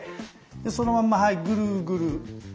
そのまんまはいぐるぐる。